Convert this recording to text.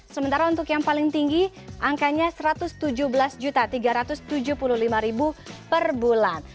sementara untuk yang paling tinggi angkanya rp satu ratus tujuh belas tiga ratus tujuh puluh lima per bulan